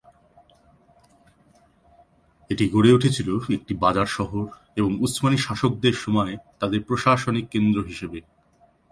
এটি গড়ে উঠেছিল একটি বাজার শহর এবং উসমানি শাসকদের সময়ে তাদের প্রশাসনিক কেন্দ্র হিসেবে।